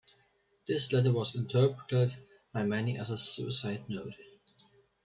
This letter was interpreted by many as a suicide note.